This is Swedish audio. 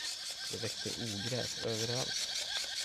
Det växer ogräs överallt.